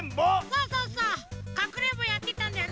そうそうそうかくれんぼやってたんだよね。